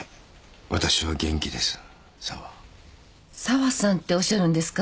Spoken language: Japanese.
サワさんっておっしゃるんですか？